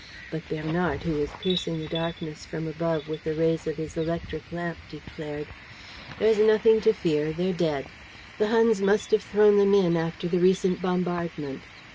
But Bernard, who was piercing the darkness from above with the rays of his electric lamp, declared: "There's nothing to fear, they're dead. The Huns must have thrown them in, after the recent bombardment."